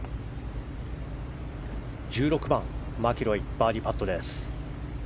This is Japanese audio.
１６番、マキロイのバーディーパット。